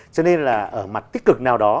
cho nên là ở mặt tích cực nào đó